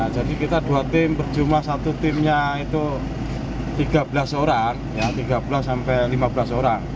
jadi kita dua tim berjumlah satu timnya itu tiga belas orang tiga belas sampai lima belas orang